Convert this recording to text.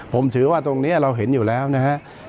ผมถือว่าตรงนี้เราเห็นอยู่แล้วนะครับ